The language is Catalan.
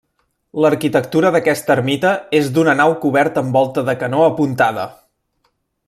L'arquitectura d'aquesta ermita és d'una nau coberta amb volta de canó apuntada.